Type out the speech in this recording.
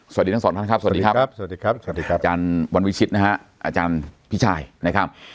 สวัสดีทั้งสองท่านครับสวัสดีครับสวัสดีครับสวัสดีครับอาจารย์วันวิชิตนะฮะอาจารย์พี่ชายนะครับ